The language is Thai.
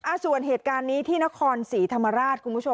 อันส่วนเหตุการณ์นี้วินาทีที่นครศรีธรรมราช